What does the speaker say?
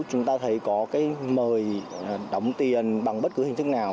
chúng ta thấy có cái mời đóng tiền bằng bất cứ hình thức nào